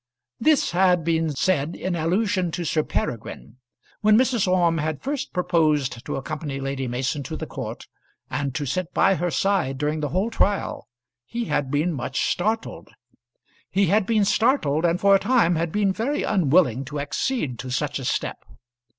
This had been said in allusion to Sir Peregrine. When Mrs. Orme had first proposed to accompany Lady Mason to the court and to sit by her side during the whole trial, he had been much startled. He had been startled, and for a time had been very unwilling to accede to such a step.